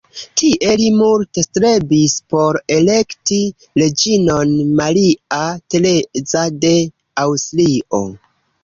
Tie li multe strebis por elekti reĝinon Maria Tereza de Aŭstrio.